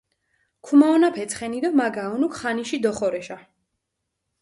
ქუმაჸონაფე ცხენი დო მა გაჸუნუქ ხანიში დოხორეშა.